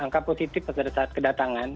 angka positif pada saat kedatangan